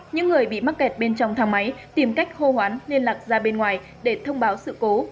những người bị mắc kẹt bên trong thang máy tìm cách hô hoán liên lạc ra bên ngoài để thông báo sự cố